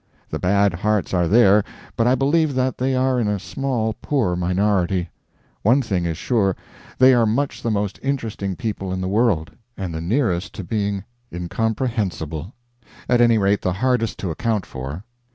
The bad hearts are there, but I believe that they are in a small, poor minority. One thing is sure: They are much the most interesting people in the world and the nearest to being incomprehensible. At any rate, the hardest to account for.